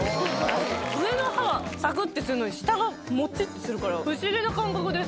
上のほうはさくっとするのに、下がもちってするから、不思議な感覚です。